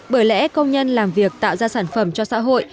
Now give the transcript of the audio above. bởi lẽ công nhân làm việc tạo ra sản phẩm cho xã hội